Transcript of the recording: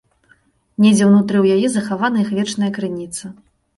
Недзе ўнутры ў яе захавана іх вечная крыніца.